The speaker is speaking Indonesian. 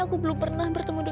kok malah mati sih